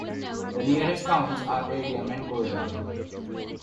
The nearest towns are Radium and Golden.